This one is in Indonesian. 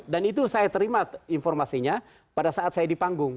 dan itu saya terima informasinya pada saat saya di panggung